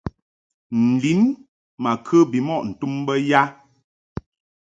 N-lin ma kə bimɔʼ ntum bə ya ?